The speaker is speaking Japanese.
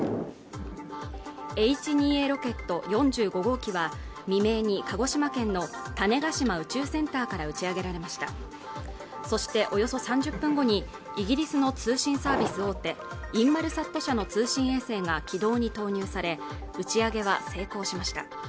Ｈ２Ａロケット４５号機は未明に鹿児島県の種子島宇宙センターから打ち上げられましたそしておよそ３０分後にイギリスの通信サービス大手インマルサット社の通信衛星が軌道に投入され打ち上げは成功しました